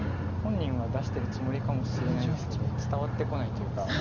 本人は出してるつもりかもしれないですけど伝わってこないというか。